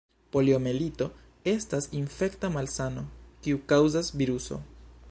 Poliomjelito estas infekta malsano, kiun kaŭzas viruso.